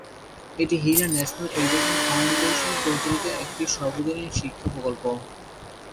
এটি Hira national education foundation পরিচালিত একটি সর্বজনীন শিক্ষা প্রকল্প।